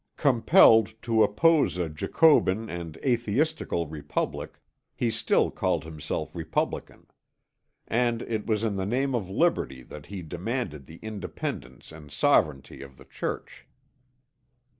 Compelled to oppose a Jacobin and atheistical Republic, he still called himself Republican. And it was in the name of liberty that he demanded the independence and sovereignty of the Church.